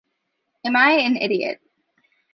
Am I an idiot?